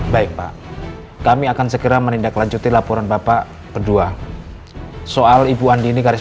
baik pak kami akan segera menindaklanjuti laporan bapak kedua soal ibu andi ini garis